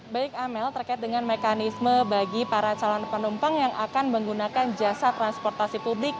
baik amel terkait dengan mekanisme bagi para calon penumpang yang akan menggunakan jasa transportasi publik